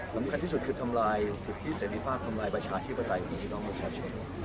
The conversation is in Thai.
สำคัญที่สุดคือทำลายสิทธิเสร็จภาพทำลายประชาธิปไตยของพี่น้องประชาชน